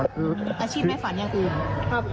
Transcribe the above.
อาระชีพไม่ฝันอยากกลัว